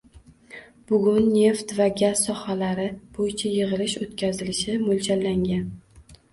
Bugun neft va gaz sohalari boʻyicha yigʻilish oʻtkazilishi moʻljallangan.